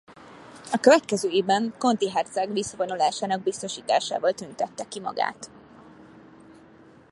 A következő évben Conti herceg visszavonulásának biztosításával tüntette ki magát.